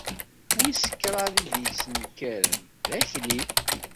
Wis kraḍ i d-yettnekkaren d Akli.